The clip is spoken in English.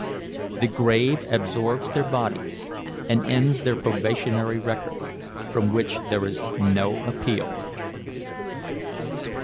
The grave absorbs their bodies and ends their probationary record, from which there is no appeal."